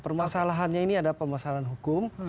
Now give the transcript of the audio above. permasalahannya ini ada permasalahan hukum